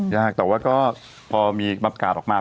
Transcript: ยากแต่ว่าก็พอมีประกาศออกมา